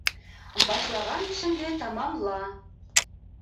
Башлаған эшеңде тамамла.